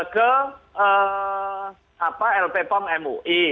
ke lppom mui